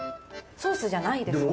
ソースじゃないですね。